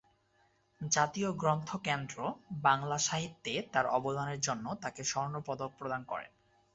জাতীয় গ্রন্থ কেন্দ্র বাংলা সাহিত্যে তার অবদানের জন্য তাকে স্বর্ণপদক প্রদান করেন।